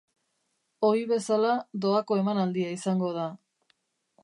Ohi bezala, doako emanaldia izango da.